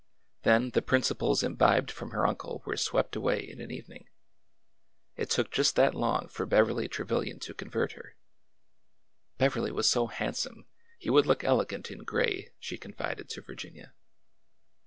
Then the principles imbibed from her uncle were swept away in an evening. It took just that long for Beverly Tre vilian to convert her. Beverly was so handsome! He would look elegant in gray, she confided to Virginia.